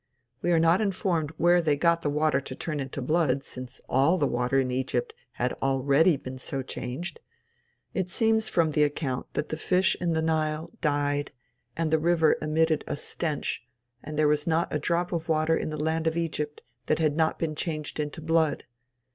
We are not informed where they got the water to turn into blood, since all the water in Egypt had already been so changed. It seems from the account that the fish in the Nile died, and the river emitted a stench, and there was not a drop of water in the land of Egypt that had not been changed into blood.